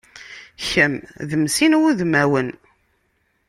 Kemm d mm sin wudmawen.